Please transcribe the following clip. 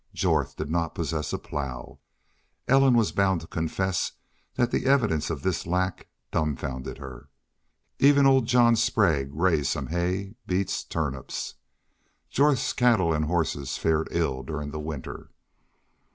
Jorth did not possess a plow. Ellen was bound to confess that the evidence of this lack dumfounded her. Even old John Sprague raised some hay, beets, turnips. Jorth's cattle and horses fared ill during the winter.